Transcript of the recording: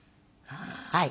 はい。